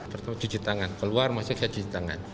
pertama cuci tangan keluar masuk saya cuci tangan